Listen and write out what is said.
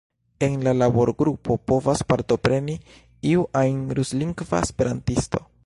En la laborgrupo povas partopreni iu ajn ruslingva esperantisto.